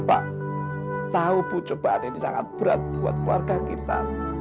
pak tahu pu cobaan ini sangat berat buat keluarga kita